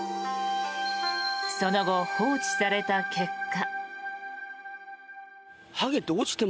その後、放置された結果。